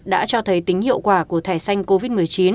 đã cho thấy tính hiệu quả của thẻ xanh covid một mươi chín